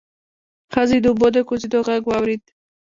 ښځې د اوبو د کوزېدو غږ واورېد.